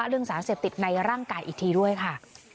เรื่องสารเสพติดในร่างกายอีกทีด้วยค่ะ